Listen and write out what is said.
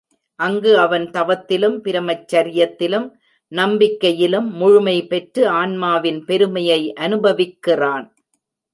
அங்கு அவன் தவத்திலும், பிரமச்சரியத்திலும், நம்பிக்கையிலும் முழுமை பெற்று ஆன்மாவின் பெருமையை அனுபவிக்கிறான்.